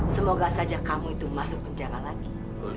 semoga saja kamu itu masuk penjara lagi